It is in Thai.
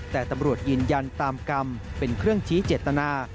แต่ตำรวจยืนยันตามกรรมเป็นเครื่องชี้เจตนา